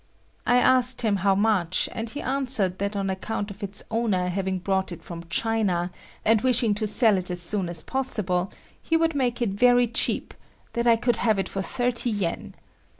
I asked him how much, and he answered that on account of its owner having brought it from China and wishing to sell it as soon as possible, he would make it very cheap, that I could have it for thirty yen.